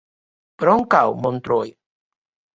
Per on cau Montroi?